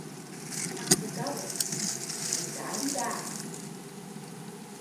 Thằng cụ trâu, thấy gái không chào